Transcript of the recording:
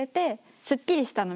すっきりしたの。